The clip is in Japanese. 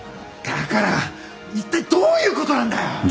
だからいったいどういうことなんだよ！？